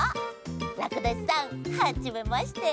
らくだしさんはじめまして。